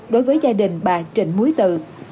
đối với gia đình bà trịnh múi tự